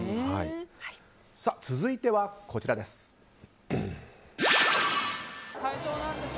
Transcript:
続いてはこちらです。